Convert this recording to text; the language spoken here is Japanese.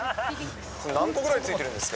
何個ぐらいついてるんですか？